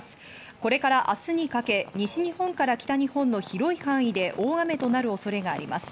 これから明日にかけ、西日本から北日本の広い範囲で大雨となる恐れがあります。